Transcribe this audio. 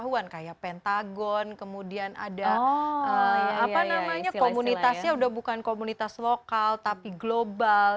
atau orang yang memiliki pengetahuan kayak pentagon kemudian ada komunitasnya udah bukan komunitas lokal tapi global